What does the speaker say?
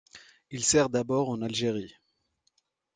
Il sert d'abord en Algérie.